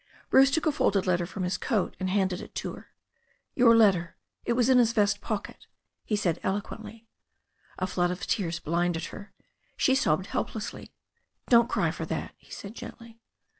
Bruce took a folded letter from his coat and handed it to her. "Your letter. It was in his vest pocket," he said elo quently. A flood of tears blinded her. She sobbed helplessly. "Don't cry for that," he said gently.